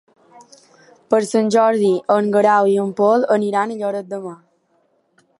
Per Sant Jordi en Guerau i en Pol aniran a Lloret de Mar.